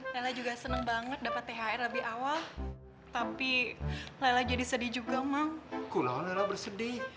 lelah juga seneng banget dapat thr lebih awal tapi lelah jadi sedih juga mang kulau bersedih